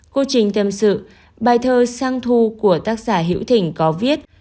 cô trình thêm sự bài thơ sang thu của tác giả hiễu thỉnh có viết